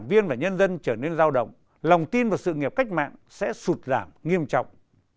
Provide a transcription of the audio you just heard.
viên và nhân dân trở nên giao động lòng tin vào sự nghiệp cách mạng sẽ sụt giảm nghiêm trọng